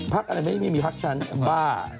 อะไรไม่มีพักฉันบ้า